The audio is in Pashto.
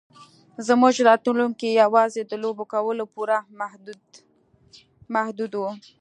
زموږ راتلونکی یوازې د لوبو کولو پورې محدود و